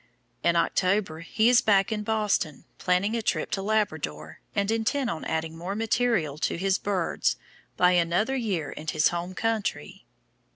In October he is back in Boston planning a trip to Labrador, and intent on adding more material to his "Birds" by another year in his home country.